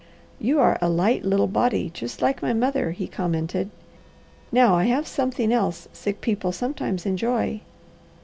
"You are a light little body, just like my mother," he commented. "Now I have something else sick people sometimes enjoy."